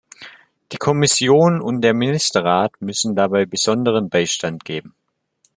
Die Kommission und der Ministerrat müssen dabei besonderen Beistand geben.